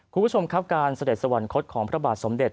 คุณผู้ชมครับการเสด็จสวรรคตของพระบาทสมเด็จ